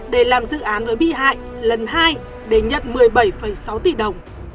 để làm dự án với bi hại lần hai để nhận một mươi bảy sáu tỷ đồng